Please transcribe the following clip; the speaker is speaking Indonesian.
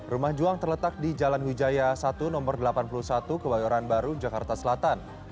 rumah juang terletak di jalan hujaya satu no delapan puluh satu kebayoran baru jakarta selatan